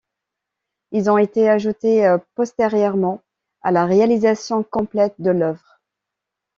Ils ont été ajoutés postérieurement à la réalisation complète de l'œuvre.